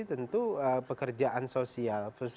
tentu pekerjaan sosial